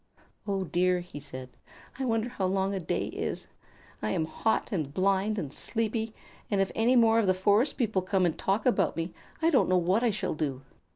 "Oh dear!" he said, "I wonder how long a day is. I am hot and blind and sleepy, and if any more of the forest people come and talk about me, I don't know what I shall do.